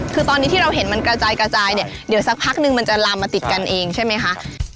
คือตอนนี้ที่เราเห็นมันกระจายกระจายเนี่ยเดี๋ยวสักพักนึงมันจะลามมาติดกันเองใช่ไหมคะ